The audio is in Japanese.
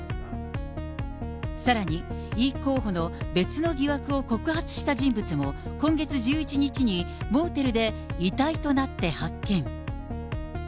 さらに、イ候補の別の疑惑を告発した人物も、今月１１日にモーテルで遺体となって発見。